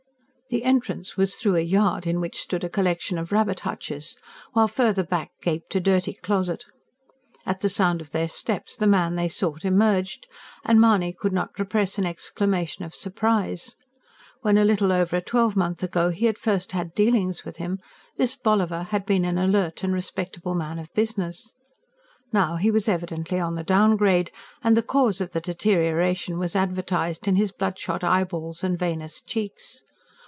The entrance was through a yard in which stood a collection of rabbit hutches, while further back gaped a dirty closet. At the sound of their steps the man they sought emerged, and Mahony could not repress an exclamation of surprise. When, a little over a twelvemonth ago, he had first had dealings with him, this Bolliver had been an alert and respectable man of business. Now he was evidently on the downgrade; and the cause of the deterioration was advertised in his bloodshot eyeballs and veinous cheeks.